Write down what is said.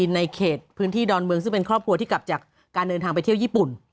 ในเขตพื้นที่ดอนเมืองซึ่งเป็นครอบครัวที่กลับจากการเดินทางไปเที่ยวญี่ปุ่น